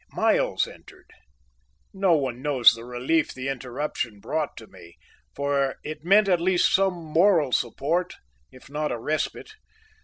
Miles entered. No one knows the relief the interruption brought to me, for it meant at least some moral support if not a respite.